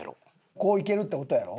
こういけるって事やろ？